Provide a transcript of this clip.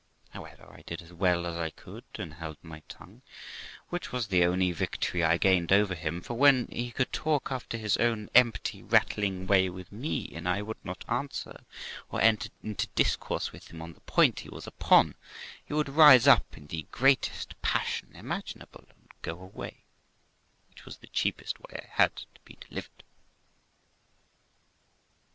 However, I did as well as I could, and held my tongue, which was the only victory I gained over him; for when he would talk after his own empty rattling way with me, and I would not answer, or enter into discourse with him on the point he was upon, he would rise up in the greatest passion imaginable, and go away, which was the cheapest way I had to be delivered.